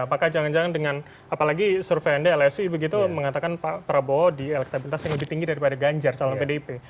apakah jangan jangan dengan apalagi survei anda lsi begitu mengatakan pak prabowo di elektabilitas yang lebih tinggi daripada ganjar calon pdip